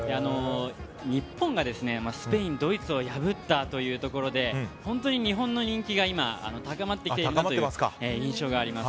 日本がスペイン、ドイツを破ったというところで本当に日本の人気が高まってきているという印象があります。